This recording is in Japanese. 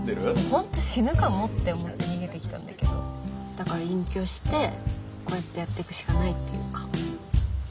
本当死ぬかもって思って逃げてきたんだけどだから隠居してこうやってやってくしかないっていうか。